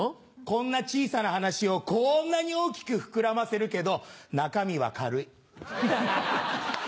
こんな小さな話をこんなに大きく膨らませるけど中身は軽い。